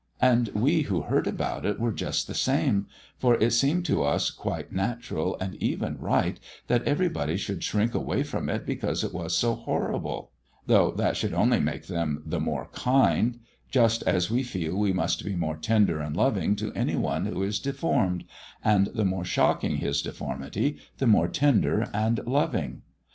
And we who heard about it were just the same, for it seemed to us quite natural and even right that everybody should shrink away from it because it was so horrible; though that should only make them the more kind; just as we feel we must be more tender and loving to any one who is deformed, and the more shocking his deformity the more tender and loving.